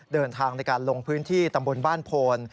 เดินทางในการลงพื้นที่ตำบลบ้านโพน